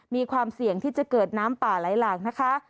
มีความเสี่ยงที่จะเกิดน้ำป่าไหลหลากนะคะ